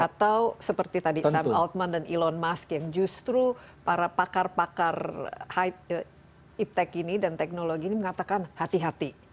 atau seperti tadi sam altman dan elon musk yang justru para pakar pakar high iptec ini dan teknologi ini mengatakan hati hati